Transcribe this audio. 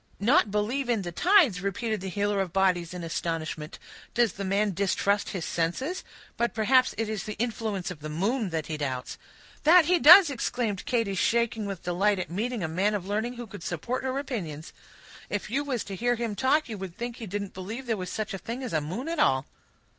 "Not believe in the tides!" repeated the healer of bodies in astonishment. "Does the man distrust his senses? But perhaps it is the influence of the moon that he doubts." "That he does!" exclaimed Katy, shaking with delight at meeting with a man of learning, who could support her opinions. "If you was to hear him talk, you would think he didn't believe there was such a thing as a moon at all."